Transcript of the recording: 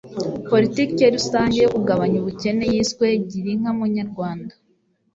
Politike rusange yo kugabanya ubukene yiswe GIRA INKA munyarwanda